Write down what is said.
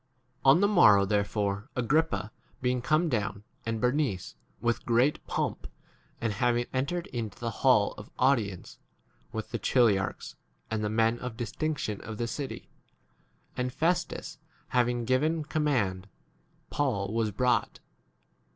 23 On the morrow therefore, Agrippa being come, and Bernice, with great pomp, and having entered into the hall of audience, with the chili archs and the men of distinction of the city, and Festus having given command, Paul was brought.